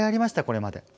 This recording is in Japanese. これまで。